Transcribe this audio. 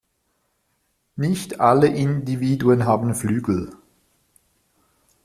Nicht alle Individuen haben Flügel.